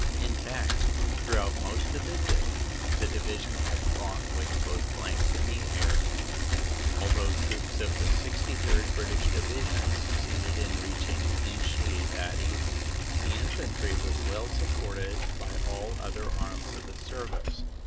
In fact, throughout most of the day the Division fought with both flanks in the air, although troops of the 63rd. British Division succeeded in reaching Inchy that evening. "The Infantry was well supported by all the other arms of the service.